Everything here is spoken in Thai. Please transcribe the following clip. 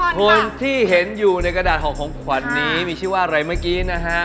คนที่เห็นอยู่ในกระดาษห่อของขวัญนี้มีชื่อว่าอะไรเมื่อกี้นะฮะ